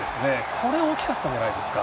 これが大きかったんじゃないんですか。